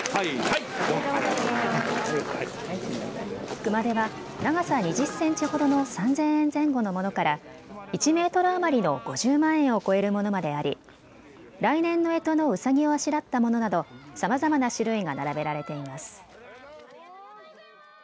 熊手は長さ２０センチほどの３０００円前後のものから１メートル余りの５０万円を超えるものまであり来年のえとのうさぎをあしらったものなど、さまざまな種類が並べられています。